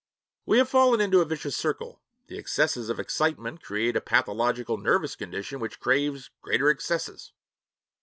We have fallen into a vicious circle: the excesses of excitement create a pathological nervous condition which craves greater excesses.